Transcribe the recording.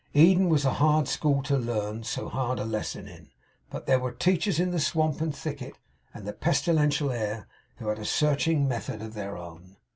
Eden was a hard school to learn so hard a lesson in; but there were teachers in the swamp and thicket, and the pestilential air, who had a searching method of their own.